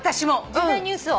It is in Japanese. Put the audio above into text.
重大ニュースを。